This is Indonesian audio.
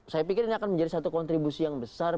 saya pikir ini akan menjadi satu kontribusi yang besar